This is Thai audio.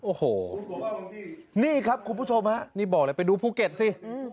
โอ้โหนี่ครับคุณผู้ชมฮะนี่บอกเลยไปดูภูเก็ตสิ